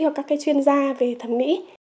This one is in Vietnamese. hoặc các cái chuyên gia về thẩm mỹ